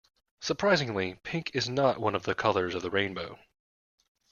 Surprisingly, pink is not one of the colours of the rainbow.